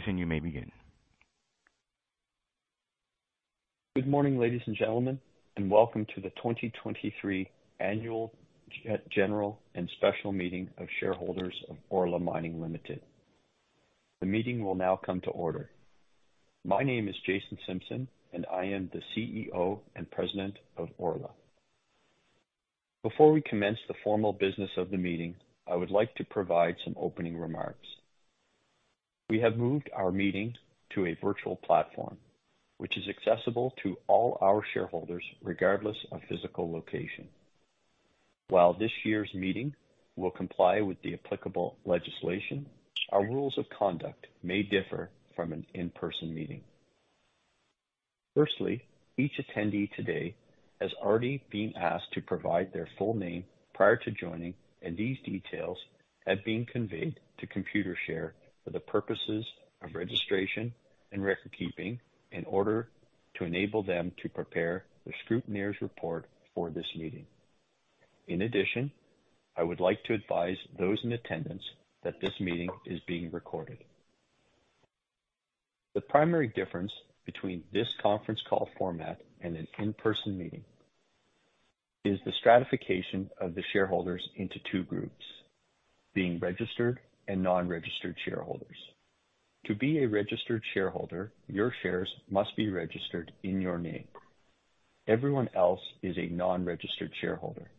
Jason, you may begin. Good morning, ladies and gentlemen, and welcome to the 2023 annual general and special meeting of shareholders of Orla Mining Limited. The meeting will now come to order. My name is Jason Simpson, and I am the CEO and president of Orla. Before we commence the formal business of the meeting, I would like to provide some opening remarks. We have moved our meeting to a virtual platform, which is accessible to all our shareholders regardless of physical location. While this year's meeting will comply with the applicable legislation, our rules of conduct may differ from an in-person meeting. Firstly, each attendee today has already been asked to provide their full name prior to joining, and these details have been conveyed to Computershare for the purposes of registration and record-keeping in order to enable them to prepare their scrutineer's report for this meeting. In addition, I would like to advise those in attendance that this meeting is being recorded. The primary difference between this conference call format and an in-person meeting is the stratification of the shareholders into two groups: being registered and non-registered shareholders. To be a registered shareholder, your shares must be registered in your name. Everyone else is a non-registered shareholder,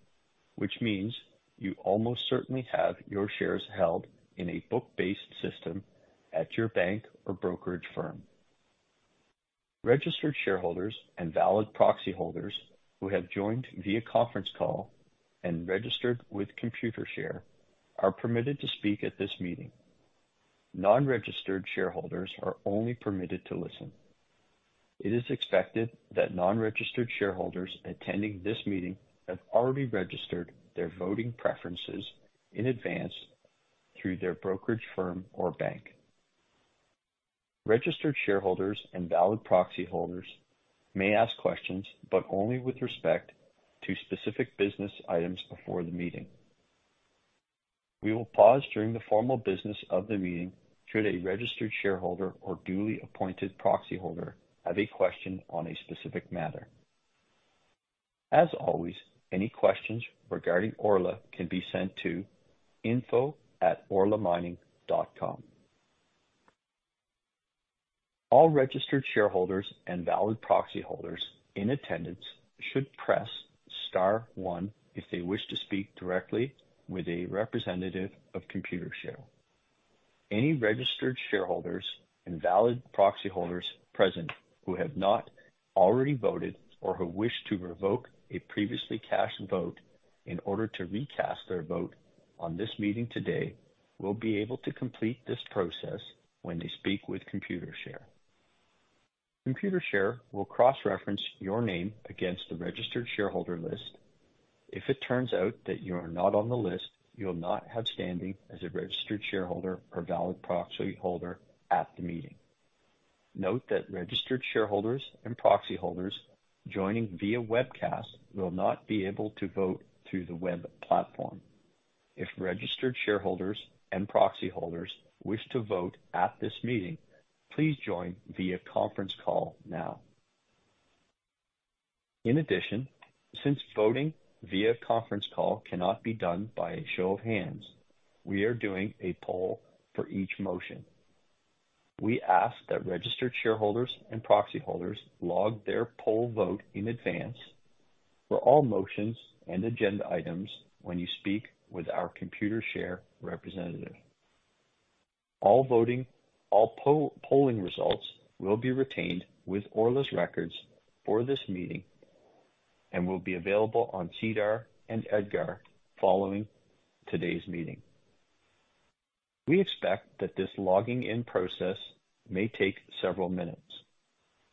which means you almost certainly have your shares held in a book-based system at your bank or brokerage firm. Registered shareholders and valid proxy holders who have joined via conference call and registered with Computershare are permitted to speak at this meeting. Non-registered shareholders are only permitted to listen. It is expected that non-registered shareholders attending this meeting have already registered their voting preferences in advance through their brokerage firm or bank. Registered shareholders and valid proxy holders may ask questions, but only with respect to specific business items before the meeting. We will pause during the formal business of the meeting should a registered shareholder or duly appointed proxy holder have a question on a specific matter. As always, any questions regarding Orla can be sent to info@orlamining.com. All registered shareholders and valid proxy holders in attendance should press star 1 if they wish to speak directly with a representative of Computershare. Any registered shareholders and valid proxy holders present who have not already voted or who wish to revoke a previously cast vote in order to recast their vote on this meeting today will be able to complete this process when they speak with Computershare. Computershare will cross-reference your name against the registered shareholder list. If it turns out that you are not on the list, you will not have standing as a registered shareholder or valid proxy holder at the meeting. Note that registered shareholders and proxy holders joining via webcast will not be able to vote through the web platform. If registered shareholders and proxy holders wish to vote at this meeting, please join via conference call now. In addition, since voting via conference call cannot be done by a show of hands, we are doing a poll for each motion. We ask that registered shareholders and proxy holders log their poll vote in advance for all motions and agenda items when you speak with our Computershare representative. All voting all polling results will be retained with Orla's records for this meeting and will be available on SEDAR and EDGAR following today's meeting. We expect that this logging-in process may take several minutes,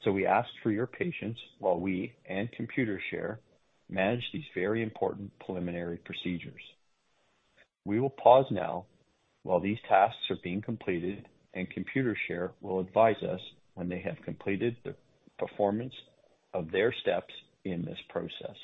so we ask for your patience while we and Computershare manage these very important preliminary procedures. We will pause now while these tasks are being completed, and Computershare will advise us when they have completed the performance of their steps in this process.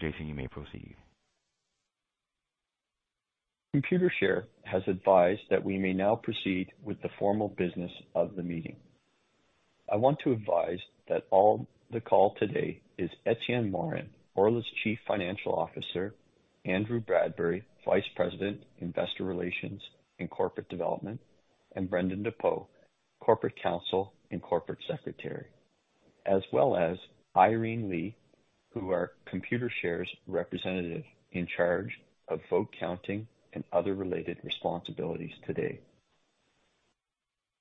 Jason, you may proceed. Computershare has advised that we may now proceed with the formal business of the meeting. I want to advise that all the call today is Etienne Morin, Orla's Chief Financial Officer; Andrew Bradbury, Vice President, Investor Relations and Corporate Development; and Brendan DePoe, Corporate Counsel and Corporate Secretary; as well as Irene Lee, who are Computershare's representative in charge of vote counting and other related responsibilities today.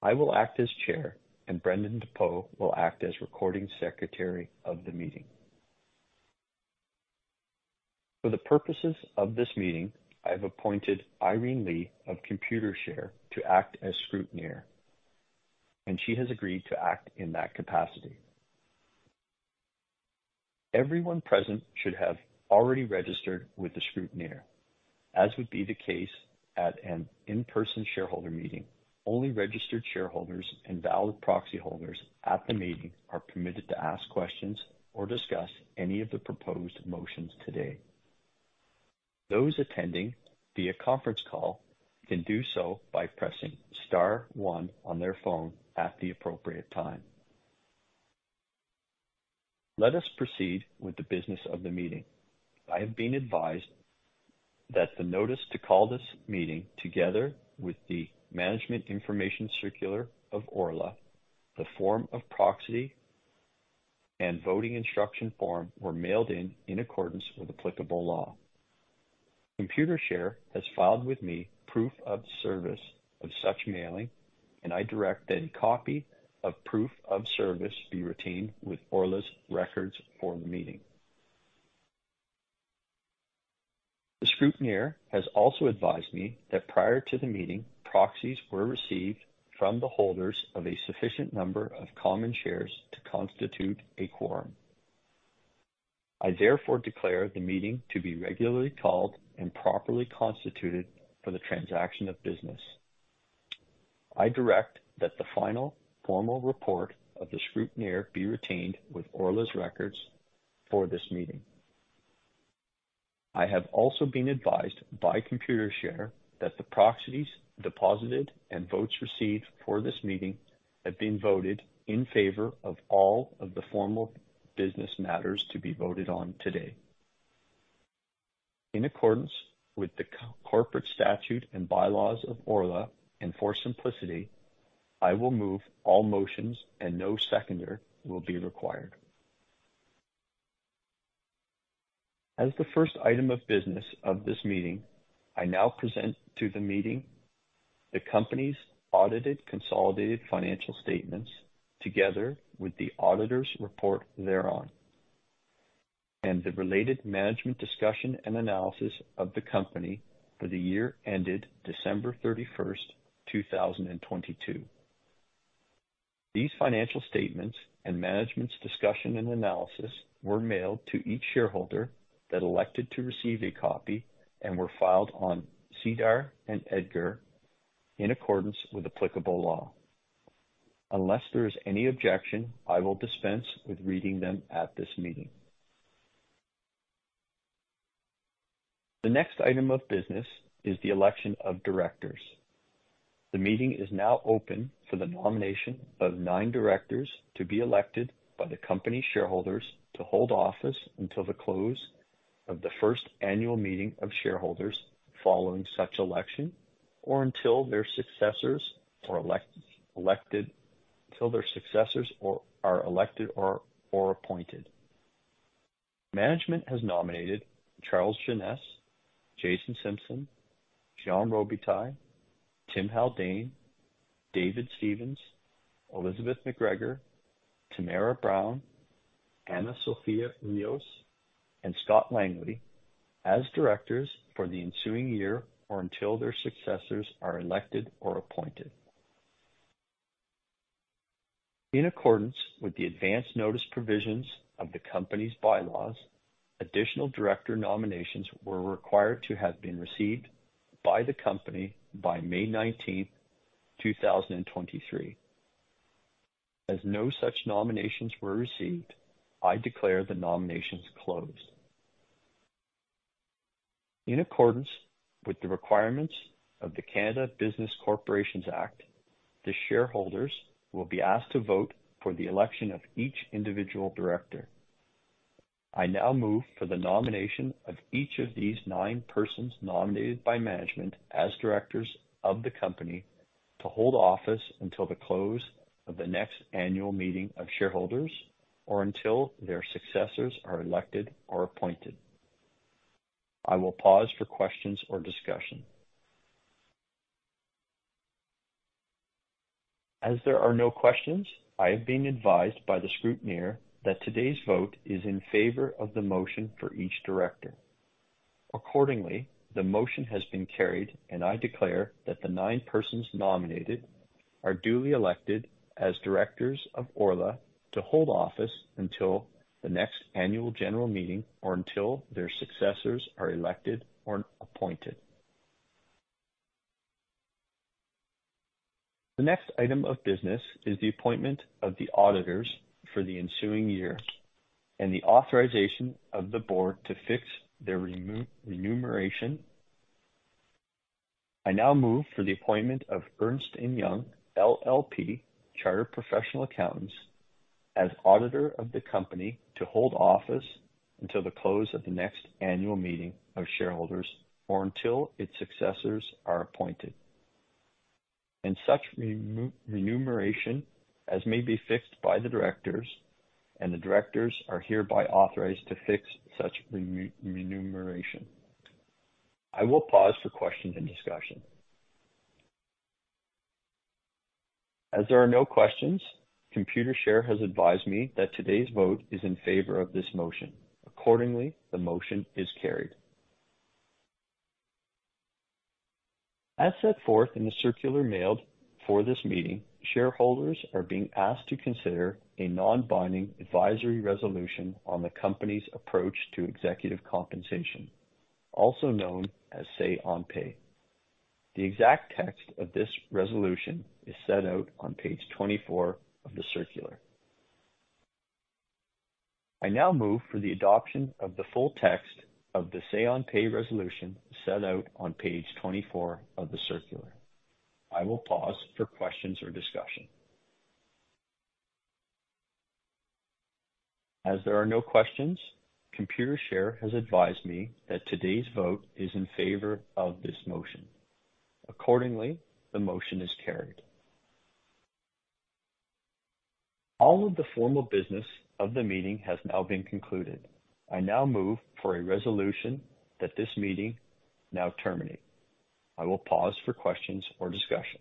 I will act as chair, and Brendan DePoe will act as recording secretary of the meeting. For the purposes of this meeting, I've appointed Irene Lee of Computershare to act as scrutineer, and she has agreed to act in that capacity. Everyone present should have already registered with the scrutineer. As would be the case at an in-person shareholder meeting, only registered shareholders and valid proxy holders at the meeting are permitted to ask questions or discuss any of the proposed motions today. Those attending via conference call can do so by pressing star 1 on their phone at the appropriate time. Let us proceed with the business of the meeting. I have been advised that the notice to call this meeting, together with the Management Information Circular of Orla, the form of proxy, and voting instruction form were mailed in accordance with applicable law. Computershare has filed with me proof of service of such mailing, and I direct that a copy of proof of service be retained with Orla's records for the meeting. The scrutineer has also advised me that prior to the meeting, proxies were received from the holders of a sufficient number of common shares to constitute a quorum. I therefore declare the meeting to be regularly called and properly constituted for the transaction of business. I direct that the final formal report of the scrutineer be retained with Orla's records for this meeting. I have also been advised by Computershare that the proxies deposited and votes received for this meeting have been voted in favor of all of the formal business matters to be voted on today. In accordance with the corporate statute and bylaws of Orla and for simplicity, I will move all motions, and no seconder will be required. As the first item of business of this meeting, I now present to the meeting the company's audited consolidated financial statements together with the auditor's report thereon, and the related management's discussion and analysis of the company for the year ended December 31st, 2022. These financial statements and management's discussion and analysis were mailed to each shareholder that elected to receive a copy and were filed on SEDAR and EDGAR in accordance with applicable law. Unless there is any objection, I will dispense with reading them at this meeting. The next item of business is the election of directors. The meeting is now open for the nomination of nine directors to be elected by the company shareholders to hold office until the close of the first annual meeting of shareholders following such election or until their successors are elected or appointed. Management has nominated Charles Jeannes, Jason Simpson, Jean Robitaille, Tim Haldane, David Stephens, Elizabeth McGregor, Tamara Brown, Ana Sofía Ríos, and Scott Langley as directors for the ensuing year or until their successors are elected or appointed. In accordance with the advance notice provisions of the company's bylaws, additional director nominations were required to have been received by the company by May 19th, 2023. As no such nominations were received, I declare the nominations closed. In accordance with the requirements of the Canada Business Corporations Act, the shareholders will be asked to vote for the election of each individual director. I now move for the nomination of each of these nine persons nominated by management as directors of the company to hold office until the close of the next annual meeting of shareholders or until their successors are elected or appointed. I will pause for questions or discussion. As there are no questions, I have been advised by the scrutineer that today's vote is in favor of the motion for each director. Accordingly, the motion has been carried, and I declare that the nine persons nominated are duly elected as directors of Orla to hold office until the next annual general meeting or until their successors are elected or appointed. The next item of business is the appointment of the auditors for the ensuing year and the authorization of the board to fix their remuneration. I now move for the appointment of Ernst & Young LLP, chartered professional accountants, as auditor of the company to hold office until the close of the next annual meeting of shareholders or until its successors are appointed. Such remuneration may be fixed by the directors, and the directors are hereby authorized to fix such remuneration. I will pause for questions and discussion. As there are no questions, Computershare has advised me that today's vote is in favor of this motion. Accordingly, the motion is carried. As set forth in the circular mailed for this meeting, shareholders are being asked to consider a non-binding advisory resolution on the company's approach to executive compensation, also known as say-on-pay. The exact text of this resolution is set out on page 24 of the circular. I now move for the adoption of the full text of the say-on-pay resolution set out on page 24 of the circular. I will pause for questions or discussion. As there are no questions, Computershare has advised me that today's vote is in favor of this motion. Accordingly, the motion is carried. All of the formal business of the meeting has now been concluded. I now move for a resolution that this meeting now terminate. I will pause for questions or discussion.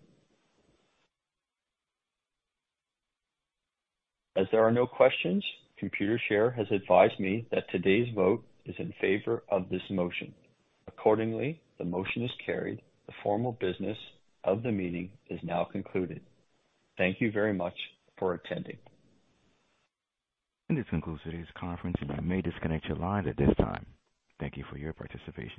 As there are no questions, Computershare has advised me that today's vote is in favor of this motion. Accordingly, the motion is carried. The formal business of the meeting is now concluded. Thank you very much for attending. This concludes the conference, and you may disconnect your line at this time. Thank you for your participation.